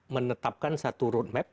menetapkan satu roadmap